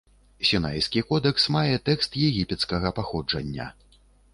Сінайскі кодэкс мае тэкст егіпецкага паходжання.